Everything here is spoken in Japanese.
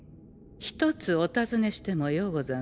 ひとつお尋ねしてもようござんすかえ？